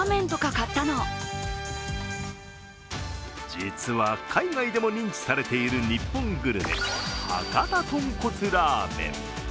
実は海外でも認知されている日本グルメ、博多とんこつらーめん。